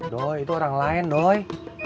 doi itu orang lain doi